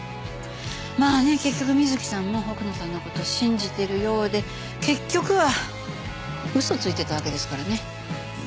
まあね結局美月さんも奥野さんの事信じてるようで結局は嘘ついてたわけですからね。